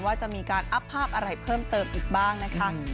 ว่าจะมีการอัพภาพอะไรเพิ่มเติมอีกบ้างนะคะ